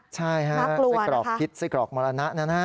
ใช่ฮะไส้กรอกพิษไส้กรอกมรณะนะฮะ